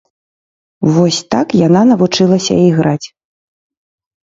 Вось так яна навучылася іграць.